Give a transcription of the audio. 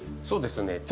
そうですね。